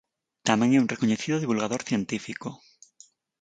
Tamén é un recoñecido divulgador científico.